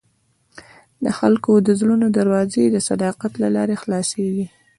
د خلکو د زړونو دروازې د صداقت له لارې خلاصېږي.